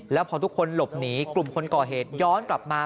แล้วพอทุกคนหลบหนีกลุ่มคนก่อเหตุย้อนกลับมา